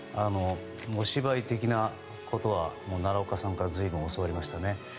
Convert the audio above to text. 芝居的なことは奈良岡さんから随分教わりましたね。